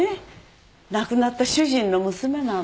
亡くなった主人の娘なの。